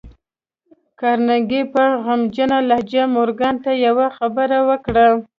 کارنګي په غمجنه لهجه مورګان ته يوه خبره وکړه.